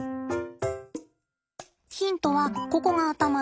ヒントはここが頭で。